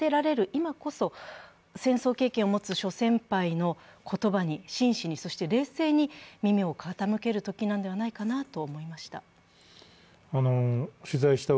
今こそ戦争経験を持つ諸先輩の言葉に真摯に、そして冷静に耳を傾けるときなのではないかなと思いました。